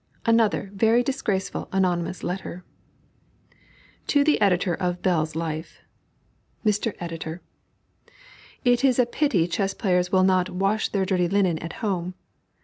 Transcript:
ANOTHER VERY DISGRACEFUL ANONYMOUS LETTER. To the Editor of Bell's Life: MR. EDITOR, It is a pity chess players will not "wash their dirty linen at home."